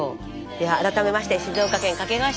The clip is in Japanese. では改めまして静岡県掛川市のみなさん